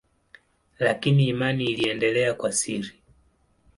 Lakini imani iliendelea kwa siri.